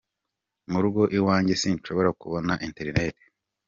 Mu rugo iwanjye sinshobora kubona internet….